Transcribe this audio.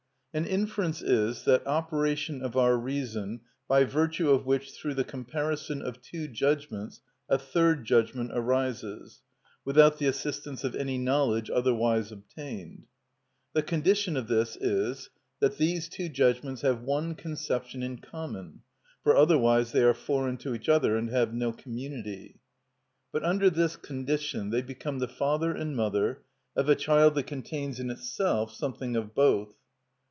An inference is that operation of our reason by virtue of which, through the comparison of two judgments a third judgment arises, without the assistance of any knowledge otherwise obtained. The condition of this is that these two judgments have one conception in common, for otherwise they are foreign to each other and have no community. But under this condition they become the father and mother of a child that contains in itself something of both.